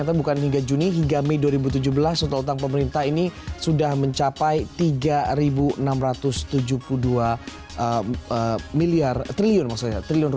total utang pemerintah ini sudah mencapai rp tiga enam ratus tujuh puluh dua tiga puluh tiga triliun